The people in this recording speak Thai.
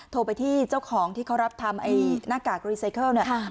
โทรไปที่เจ้าของที่เขารับทำไอ้หน้ากากรีไซเคิลเนี่ย